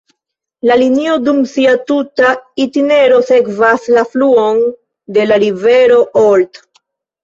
La linio dum sia tuta itinero sekvas la fluon de la rivero Olt.